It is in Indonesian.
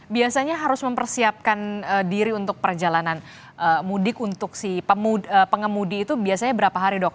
biasanya harus mempersiapkan diri untuk perjalanan mudik untuk si pengemudi itu biasanya berapa hari dok